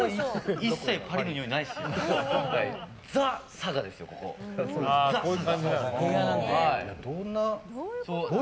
一切パリのにおいないですけど。